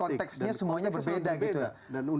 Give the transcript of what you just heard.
jadi konteksnya semuanya berbeda gitu ya